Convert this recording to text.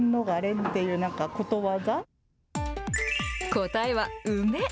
答えは梅。